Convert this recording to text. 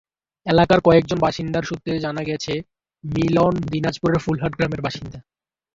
এলাকার কয়েকজন বাসিন্দা সূত্রে জানা গেছে, মিলন দিনাজপুরের ফুলহাট গ্রামের বাসিন্দা।